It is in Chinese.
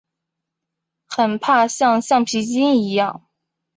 很怕像橡皮筋一样